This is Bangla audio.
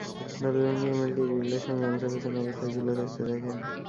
দরজা ভেঙে হিমেলকে গ্রিলের সঙ্গে গামছা প্যাঁচানো অবস্থায় ঝুলে থাকতে দেখেন।